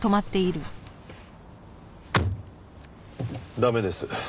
駄目です。